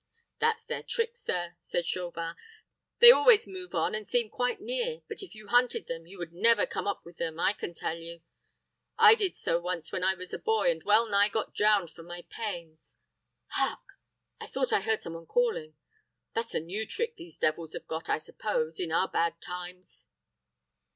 "That's their trick, sir," said Chauvin. "They always move on, and seem quite near; but if you hunted them, you would never come up with them, I can tell you. I did so once when I was a boy, and well nigh got drowned for my pains. Hark! I thought I heard some one calling. That's a new trick these devils have got, I suppose, in our bad times."